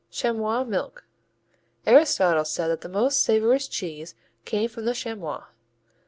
Chamois milk Aristotle said that the most savorous cheese came from the chamois.